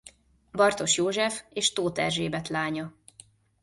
Bartos József és Tóth Erzsébet lánya.